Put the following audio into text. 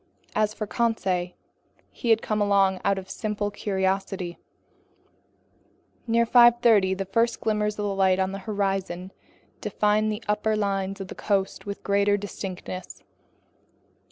As for Conseil, he had come along out of simple curiosity. Near 5:30 the first glimmers of light on the horizon defined the upper lines of the coast with greater distinctness.